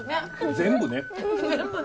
全部ね。